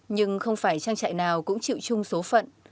nhưng không phải trang trại nào cũng chịu chung số phận